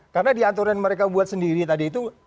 karena di aturan yang mereka buat sendiri tadi itu